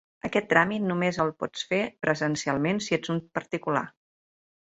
Aquest tràmit només el pots fer presencialment si ets un particular.